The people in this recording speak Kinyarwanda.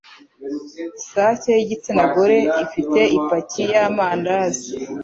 Isake y'igitsina gore ifite ipaki yamandazi